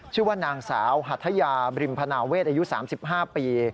ชื่อว่านางสาวหัทยาบริมพนาเวศอายุ๓๕ปี